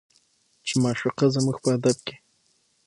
چې معشوقه زموږ په ادب کې